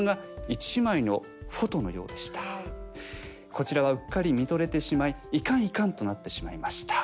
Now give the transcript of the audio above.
こちらはうっかり見とれてしまいいかんいかんとなってしまいました。